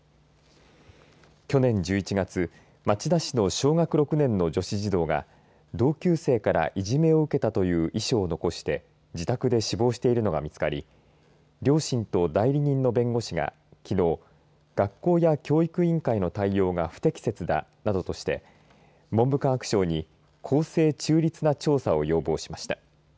去年１１月町田市の小学６年の女子児童が同級生から、いじめを受けたという遺書を残して自宅で死亡しているのが見つかり両親と代理人の弁護士がきのう学校や教育委員会の対応が不適切だ。などとして文部科学省に公正・中立な調査を要望しました。